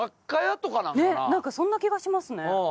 ねっ何かそんな気がしますね。